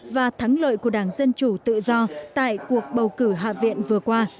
và thắng lợi của đảng dân chủ tự do tại cuộc bầu cử hạ viện vừa qua